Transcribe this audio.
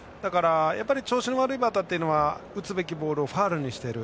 調子の悪いバッターは打つべきボールをファウルにしている。